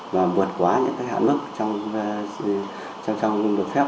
và buộc quá những hạng mức trong trang trọng được phép